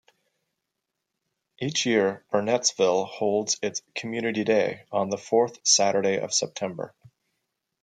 Each year Burnettsville holds its Community Day on the fourth Saturday of September.